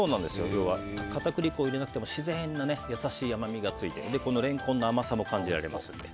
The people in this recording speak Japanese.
今日は片栗粉を入れなくても自然な優しい甘みがついてレンコンの甘さも感じられますので。